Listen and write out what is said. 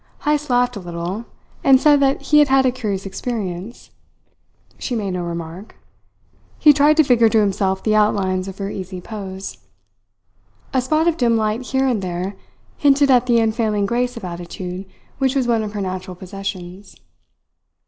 Heyst laughed a little, and said that he had had a curious experience. She made no remark. He tried to figure to himself the outlines of her easy pose. A spot of dim light here and there hinted at the unfailing grace of attitude which was one of her natural possessions.